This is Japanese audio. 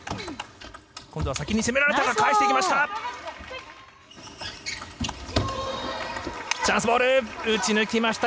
今度は先に攻められたが、返してきました。